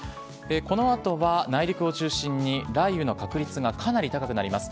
このあとは内陸を中心に雷雨の確率がかなり高くなります。